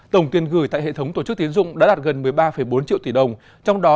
tổng tiền gửi tại hệ thống tổ chức tiến dụng đã đạt gần một mươi ba bốn triệu tỷ đồng trong đó